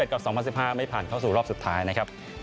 กับ๒๐๑๕ไม่ผ่านเข้าสู่รอบสุดท้ายนะครับ